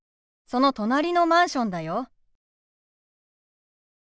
その隣のマンションだよ。